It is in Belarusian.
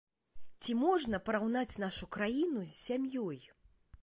Ці можна параўнаць нашу краіну з сям'ёй?